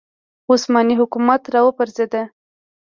عثماني حکومت راوپرځېد